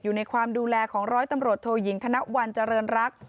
อยู่ในความดูแลของร้อยตำรวจโทยิงธนวัลเจริญรัก